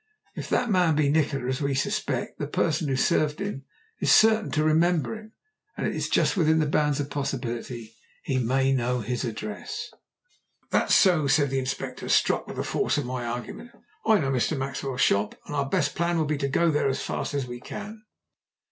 If that man be Nikola, as we suspect, the person who served him is certain to remember him, and it is just within the bounds of possibility he may know his address." "That's so," said the Inspector, struck with the force of my argument. "I know Mr. Maxwell's shop, and our best plan will be to go on there as fast as we can."